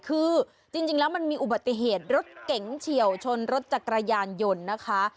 คือจริงแล้วมันมีอุบัติเหตุรถเก๋งเฉียวชนรถจักรยานยนต์นะคะ